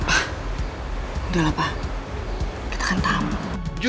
agar dia bisa sabar dengannya